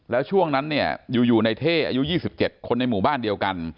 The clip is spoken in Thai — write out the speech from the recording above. แล้วช่วงนั้นเนี่ยอยู่ในเท่อายุ๒๗คนในหมู่บ้านเดียวกัน